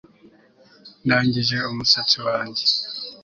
Ndangije umusatsi wanjye